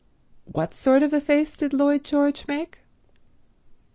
What sort of a face did Lloyd George make?